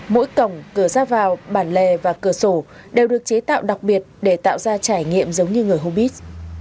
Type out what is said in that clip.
mỗi cổng cửa ra vào bản lè và cửa sổ đều được chế tạo đặc biệt để tạo ra trải nghiệm giống như người hobbit